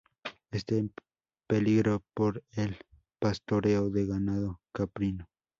Está en peligro por el pastoreo del ganado caprino.